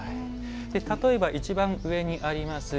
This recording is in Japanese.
例えば、一番上にあります